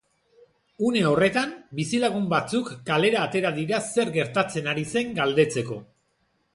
Une horretan, bizilagun batzuk kalera atera dira zer gertatzen ari zen galdetzeko.